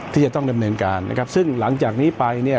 ที่จะต้องดำเนินการนะครับซึ่งหลังจากนี้ไปเนี่ย